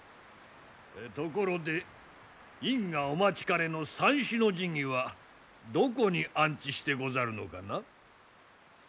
ところで院がお待ちかねの三種の神器はどこに安置してござるのかな？